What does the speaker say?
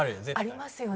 ありますよね。